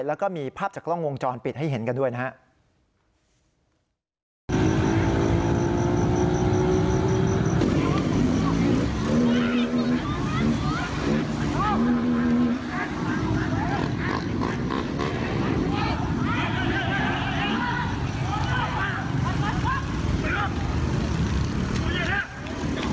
แล้วก็มีภาพจากกล้องวงจรปิดให้เห็นกันด้วยนะครับ